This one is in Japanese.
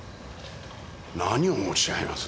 何をおっしゃいます。